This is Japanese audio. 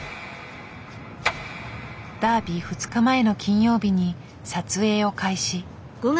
ダービー２日前の金曜日に撮影を開始。